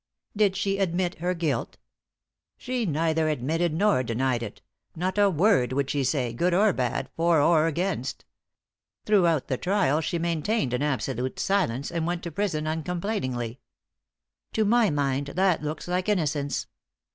"Did she admit her guilt? "She neither admitted nor denied it. Not a word would she say, good or bad, for or against. Throughout the trial she maintained an absolute silence, and went to prison uncomplainingly." "To my mind that looks likes innocence."